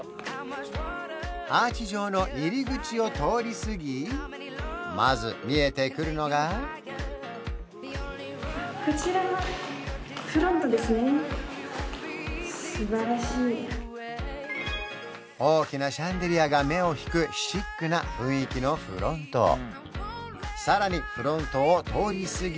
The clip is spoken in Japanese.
アーチ状の入り口を通りすぎまず見えてくるのが大きなシャンデリアが目を引くシックな雰囲気のフロントさらにフロントを通りすぎ